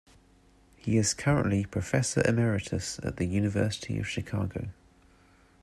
He is currently professor emeritus at the University of Chicago.